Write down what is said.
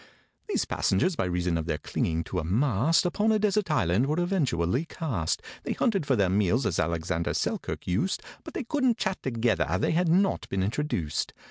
These passengers, by reason of their clinging to a mast, Upon a desert island were eventually cast. They hunted for their meals, as ALEXANDER SELKIRK used, But they couldn't chat together—they had not been introduced.